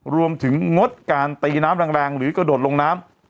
งงดการตีน้ำแรงหรือกระโดดลงน้ำ